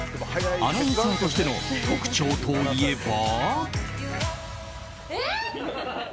アナウンサーとしての特徴といえば。